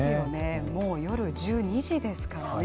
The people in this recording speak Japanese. もう夜１２時ですからね。